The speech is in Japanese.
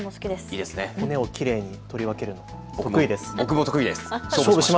骨をきれいに取り分けるの得意です。